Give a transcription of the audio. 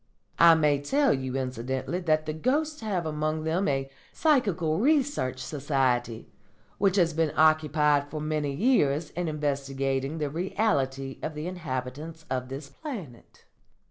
I may tell you incidentally that the ghosts have among them a Psychical Research Society which has been occupied for many years in investigating the reality of the inhabitants of this planet.